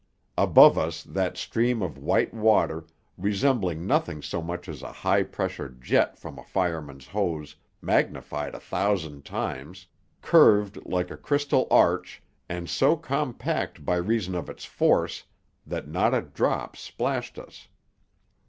Above us that stream of white water, resembling nothing so much as a high pressure jet from a fireman's hose magnified a thousand times, curved like a crystal arch, and so compact by reason of its force that not a drop splashed us.